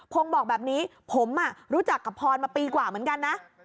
งงบอกแบบนี้ผมรู้จักกับพรมาปีกว่าเหมือนกันนะ